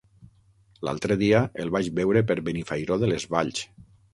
L'altre dia el vaig veure per Benifairó de les Valls.